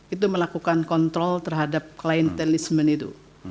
itu melakukan kontrol terhadap klientelisme itu